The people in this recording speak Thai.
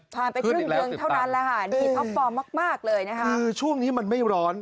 ไปครึ่งเดือนเท่านั้นแหละค่ะดีท็อปฟอร์มมากมากเลยนะคะคือช่วงนี้มันไม่ร้อน